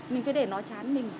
mình phải để nó chán mình